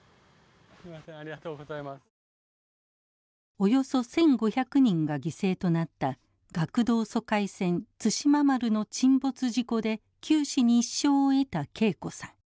およそ１，５００人が犠牲となった学童疎開船「対馬丸」の沈没事故で九死に一生を得た啓子さん。